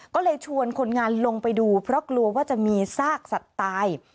ก็เลยชวนคนงานลงไปดูเพราะกลัวว่าจะมีซากสัตว์ตาย